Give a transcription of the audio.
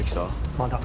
まだ。